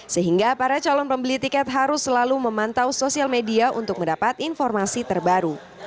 sehingga para calon pembeli tiket harus selalu memantau sosial media untuk mendapat informasi terbaru